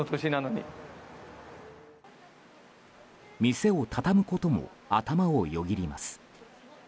店を畳むことも頭をよぎります。